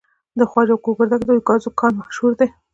د خواجه ګوګردک د ګازو کان مشهور دی.